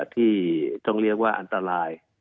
ที่ต้องเรียกว่าอันตราย